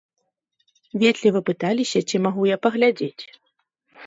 Ветліва пыталіся, ці магу я паглядзець.